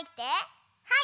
はい！